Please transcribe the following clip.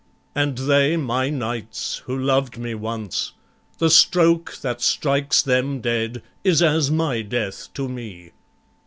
And they my knights, who loved me once, the stroke That strikes them dead is as my death to me.